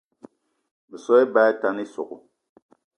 Meso á lebá atane ísogò